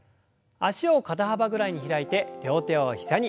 脚を肩幅ぐらいに開いて両手を膝に。